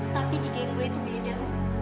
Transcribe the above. tapi di geng gue itu beda